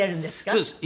そうです。